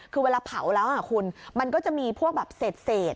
คือเวลาเผาแล้วคุณมันก็จะมีพวกแบบเศษ